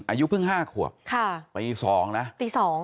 อายุเพิ่ง๕ขวบค่ะตี๒นะตี๒